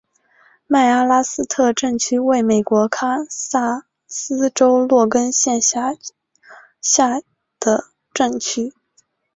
麦阿拉斯特镇区为美国堪萨斯州洛根县辖下的镇区。